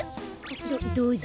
どどうぞ。